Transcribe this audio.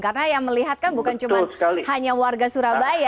karena yang melihat kan bukan hanya warga surabaya